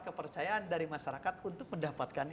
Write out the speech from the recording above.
kepercayaan dari masyarakat untuk mendapatkan